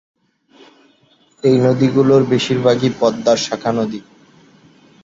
এই নদীগুলোর বেশির ভাগই পদ্মার শাখানদী।